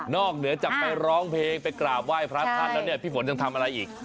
นอกเหนือจากไปร้องเพลงไปกราบไหว้พระธรรมแล้วพี่ฝนจะทำอะไรอีก